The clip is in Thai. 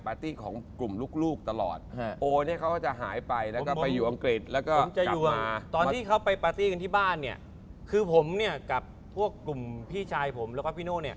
พี่และพี่เราผมกับพี่สาว